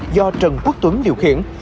do trần quốc tuấn điều khiển